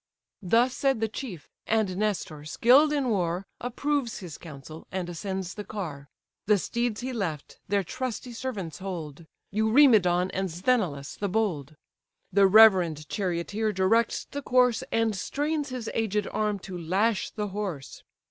Thus said the chief; and Nestor, skill'd in war, Approves his counsel, and ascends the car: The steeds he left, their trusty servants hold; Eurymedon, and Sthenelus the bold: The reverend charioteer directs the course, And strains his aged arm to lash the horse.